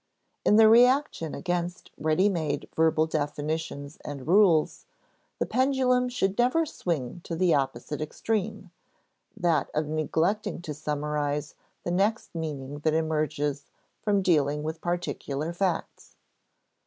In the reaction against ready made verbal definitions and rules, the pendulum should never swing to the opposite extreme, that of neglecting to summarize the net meaning that emerges from dealing with particular facts.